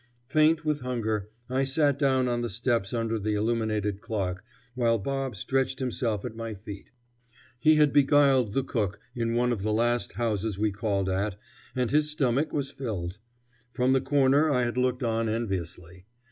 Faint with hunger, I sat down on the steps under the illuminated clock, while Bob stretched himself at my feet. He had beguiled the cook in one of the last houses we called at, and his stomach was filled. From the corner I had looked on enviously.